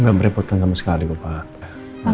gak merepotkan sama sekali pak